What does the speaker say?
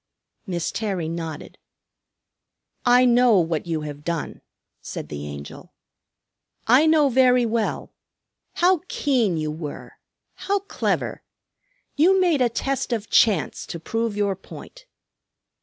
Miss Terry nodded. "I know what you have done," said the Angel. "I know very well. How keen you were! How clever! You made a test of Chance, to prove your point."